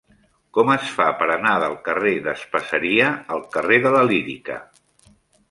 Com es fa per anar del carrer d'Espaseria al carrer de la Lírica?